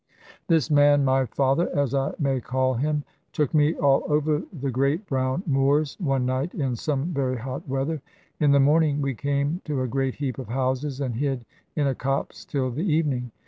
"This man, my father as I may call him, took me all over the great brown moors one night in some very hot weather. In the morning we came to a great heap of houses, and hid in a copse till the evening.